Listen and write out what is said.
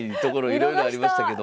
いろいろありましたけども。